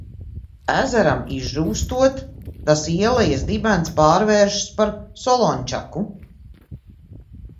Ezeram izžūstot, tas ielejas dibens pārvēršas par solončaku.